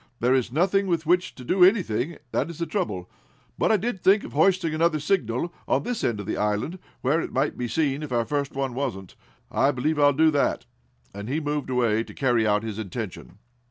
There is nothing with which to do anything, that is the trouble! But I did think of hoisting another signal, on this end of the island, where it might be seen if our first one wasn't. I believe I'll do that," and he moved away, to carry out his intention.